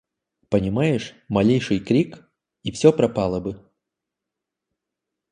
Понимаешь: малейший крик — и все пропало бы.